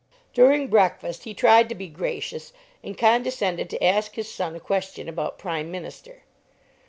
During breakfast he tried to be gracious, and condescended to ask his son a question about Prime Minister.